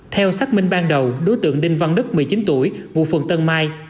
theo xác minh ban đầu đối tượng đinh văn đức một mươi chín tuổi ngụ phường tân mai